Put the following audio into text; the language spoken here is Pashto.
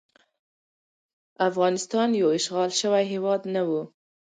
افغانستان یو اشغال شوی هیواد نه وو.